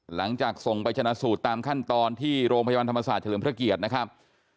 หลังจากส่งไปชนะสูตรตามขั้นตอนที่โรงพยาบาลธรรมศาสตร์เฉลิมพระเกียรตินะครับ